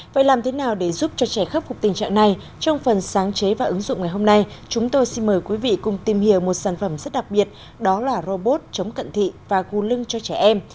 vậy làm thế nào để giúp cho trẻ khắc phục tình trạng này trong phần sáng chế và ứng dụng ngày hôm nay chúng tôi xin mời quý vị cùng tìm hiểu một sản phẩm rất đặc biệt đó là robot chống cận thị và gù lưng cho trẻ em